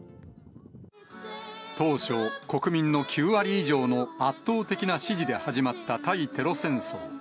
当初、国民の９割以上の圧倒的な支持で始まった対テロ戦争。